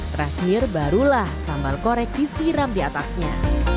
terakhir barulah sambal korek disiram di atasnya